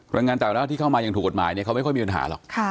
แรงงานต่างด้าวที่เข้ามาอย่างถูกกฎหมายเขาไม่ค่อยมีปัญหาหรอก